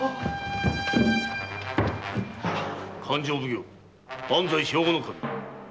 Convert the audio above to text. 勘定奉行・安西兵庫頭。